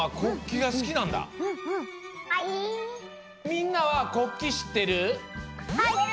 みんなは国旗しってる？